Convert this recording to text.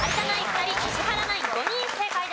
２人石原ナイン５人正解です。